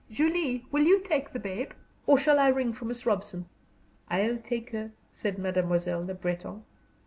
Julie, will you take the babe, or shall I ring for Mrs. Robson?" "I'll take her," said Mademoiselle Le Breton.